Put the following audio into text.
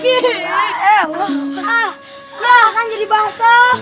kan jadi basah